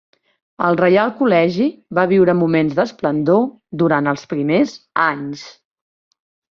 El reial col·legi va viure moments d'esplendor durant els primers anys.